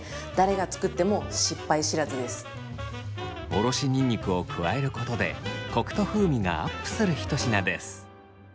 おろしにんにくを加えることでコクと風味がアップする一品です。